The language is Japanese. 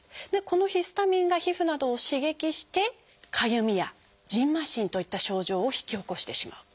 このヒスタミンが皮膚などを刺激して「かゆみ」や「じんましん」といった症状を引き起こしてしまう。